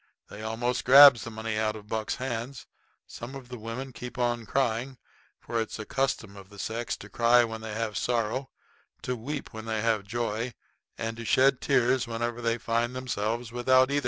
They almost grabs the money out of Buck's hands. Some of the women keep on crying, for it's a custom of the sex to cry when they have sorrow, to weep when they have joy, and to shed tears whenever they find themselves without either.